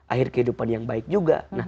akhir kehidupan yang baik juga